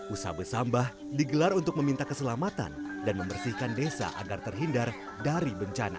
usaha besambah digelar untuk meminta keselamatan dan membersihkan desa agar terhindar dari bencana